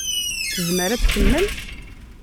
Tezmer ad tkemmel?